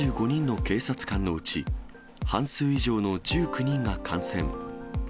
３５人の警察官のうち、半数以上の１９人が感染。